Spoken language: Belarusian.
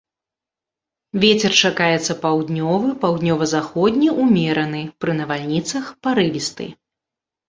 Вецер чакаецца паўднёвы, паўднёва-заходні ўмераны, пры навальніцах парывісты.